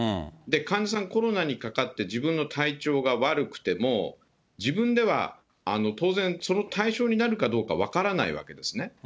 患者さん、コロナにかかって自分の体調が悪くても、自分では当然その対象になるかどうか分からないわけですね。